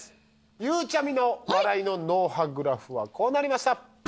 ゆうちゃみの笑いの脳波グラフはこうなりました。